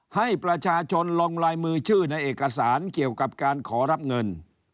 ให้ประชาชนลงลายมือชื่อในเอกสารเกี่ยวกับการขอรับเงิน